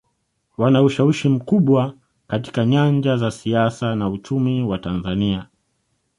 Wana ushawishi mkubwa katika nyanja za siasa na uchumi wa Tanzania